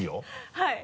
はい。